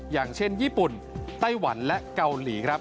อย่างเช่นญี่ปุ่นไต้หวันและเกาหลีครับ